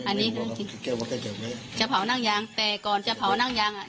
อันนี้จะเผานั่งยางแต่ก่อนจะเผานั่งยางอ่ะ